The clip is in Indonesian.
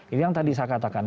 itu yang tadi saya katakan